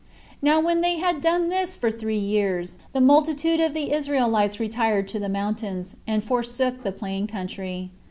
Now when they had done this for three years, the multitude of the Israelites retired to the mountains, and forsook the plain country.